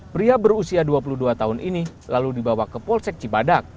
pria berusia dua puluh dua tahun ini lalu dibawa ke polsek cibadak